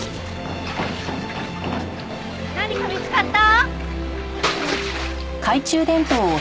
何か見つかった？